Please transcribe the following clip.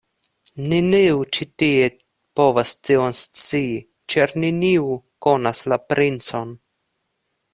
Neniu ĉi tie povas tion scii, ĉar neniu konas la princon!